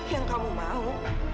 yang kamu mau